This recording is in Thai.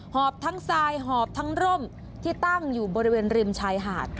หอบทั้งทรายหอบทั้งร่มที่ตั้งอยู่บริเวณริมชายหาด